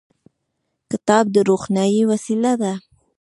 کتاب د روښنايي وسیله ده.